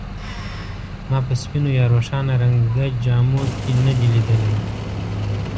ما په سپینو یا روښانه رنګ جامو کې نه دی لیدلی.